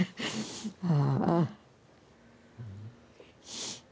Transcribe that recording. ああ。